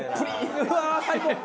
うわー最高。